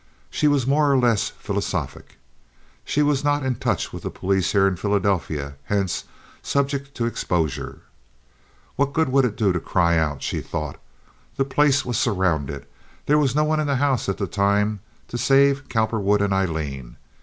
She was more or less philosophic. She was not in touch with the police here in Philadelphia, hence subject to exposure. What good would it do to cry out? she thought. The place was surrounded. There was no one in the house at the time to save Cowperwood and Aileen.